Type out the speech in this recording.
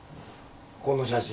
この写真。